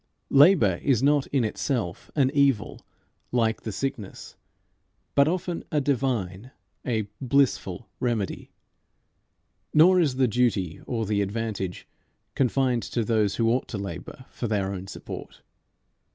Labour is not in itself an evil like the sickness, but often a divine, a blissful remedy. Nor is the duty or the advantage confined to those who ought to labour for their own support.